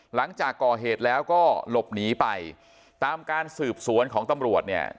หลังจากก่อเหตุแล้วก็หลบหนีไปตามการสืบสวนของตำรวจเนี่ย